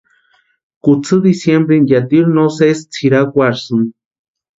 Kutsï diciembrini yátiru no sési tsʼirakwarhisïni.